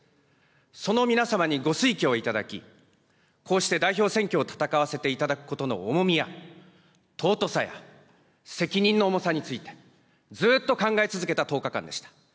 その皆様にご推挙をいただき、こうして代表選挙を戦わせていただくことの重みや尊さや責任の重さについて、ずっと考え続けた１０日間でした。